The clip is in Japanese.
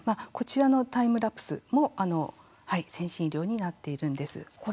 こちらのタイムラプスも先進医療になっているんです。